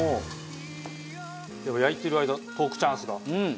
では焼いてる間トークチャンスが。